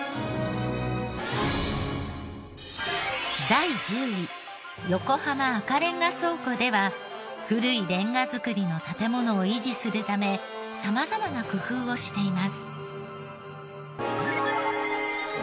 第１０位横浜赤レンガ倉庫では古いレンガ造りの建ものを維持するため様々な工夫をしています。